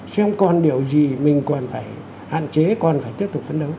xem còn điều gì mình còn phải hạn chế còn phải tiếp tục phấn đấu